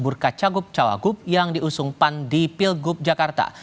burka cagup cawagup yang diusung pan di pilgub jakarta